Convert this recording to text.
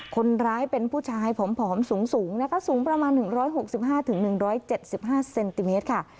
คนร้ายเป็นผู้ชายผอมสูงนะคะสูงประมาณ๑๖๕๑๗๕เซนติเมตรค่ะ